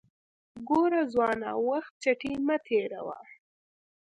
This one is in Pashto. ګوره ځوانه وخت چټي مه تیروه